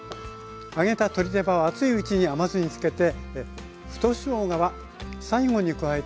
揚げた鶏手羽は熱いうちに甘酢につけて太しょうがは最後に加えてからめましょう。